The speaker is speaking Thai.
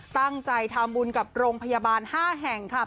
ตั้งใจทำบุญกับโรงพยาบาล๕แห่งค่ะ